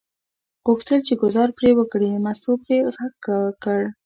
غوښتل یې ګوزار پرې وکړي، مستو پرې غږ وکړ.